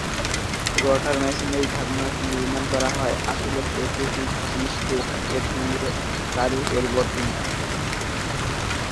Rotor মেশিনে এই ধারণাটি নির্মাণ করা হয়, আসলে প্রতিটি কী স্ট্রোক এর সঙ্গে তারের পরিবর্তন।